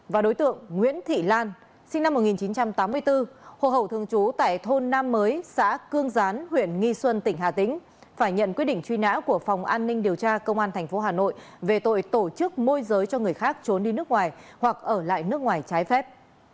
và đối tượng nguyễn thị lan sinh năm một nghìn chín trăm tám mươi bốn hồ hậu thường trú tại thôn nam mới xã cương gián huyện nghi xuân tỉnh hà tĩnh phải nhận quyết định truy nã của phòng an ninh điều tra công an tp hà nội về tội tổ chức môi giới cho người khác trốn đi nước ngoài hoặc ở lại nước ngoài trái phép